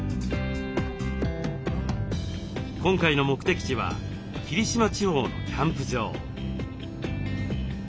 今回の目的地は霧島地方のキャンプ場。